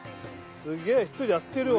げえ人やってるわ。